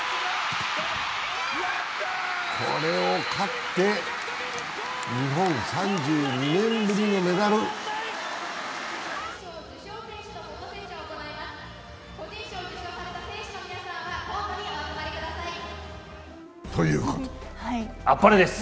これを勝って、日本３２年ぶりのメダル。あっぱれです！